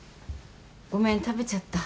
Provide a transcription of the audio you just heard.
ごめん食べちゃった。